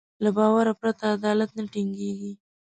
له باور پرته عدالت نه ټينګېږي.